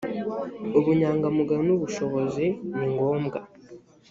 ubunyangamugayo n’ubushobozi ni ngombwa